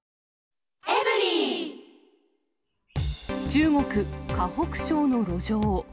中国・河北省の路上。